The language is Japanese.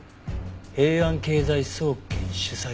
「平安経済総研主宰」？